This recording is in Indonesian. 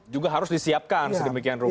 juga harus disiapkan sedemikian rupa